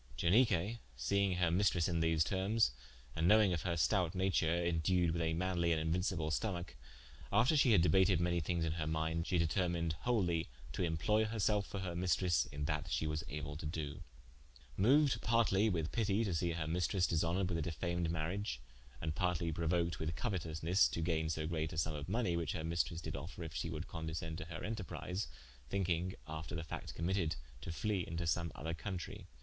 Ianique seing her maistresse in these termes, and knowinge her stoute nature, indued with a manly and inuincible stomacke, after shee had debated manye thinges in her minde, she determined wholie to imploye herselfe for her maistres in that shee was able to doe. Moued partly with pitie to see her maistres dishonored with a defamed mariage, and partly prouoked with couetousnes to gaine so great a summe of money, which her maistres did offer if she would condiscende to her enterprise (thinking after the facte committed, to flee into some other countrie.)